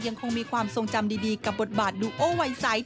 ยังคงมีความทรงจำดีกับบทบาทดูโอไวไซส์